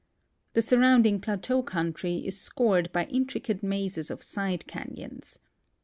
The surrounding plateau country is scored by intricate mazes of side canons.